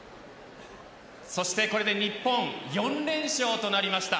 これで日本４連勝となりました。